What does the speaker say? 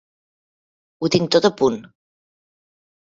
Ho tinc tot a punt.